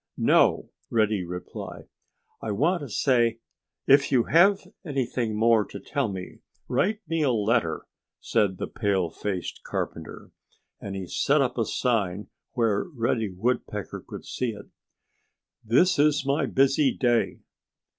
"No!" Reddy replied. "I want to say——" "If you have anything more to tell me, write me a letter!" said the pale faced carpenter. And he set up a sign where Reddy Woodpecker could see it: "This Is My Busy Day!"